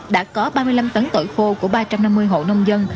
đã có ba mươi năm tấn tỏi khô của ba trăm năm mươi hộ nông dân